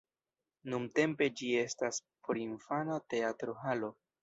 Nuntempe ĝi estas porinfana teatro-halo.